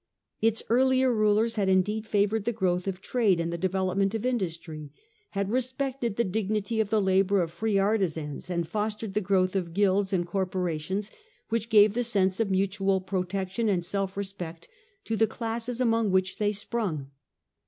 Its earlier rulers had indeed favoured the growth of trade and the development of industry, had respected the dignity of the labour of free artisans, and fostered the growth of guilds and corporations which gave the sense of mutual pro tection and of self respect to the classes among which they sprung.